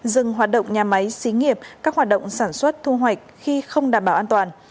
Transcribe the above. dừng hoạt động nhà máy xí nghiệp các hoạt động sản xuất thu hoạch khi không đảm bảo an toàn